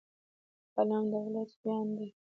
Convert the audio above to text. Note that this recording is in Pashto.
قلم د ولس ویاند دی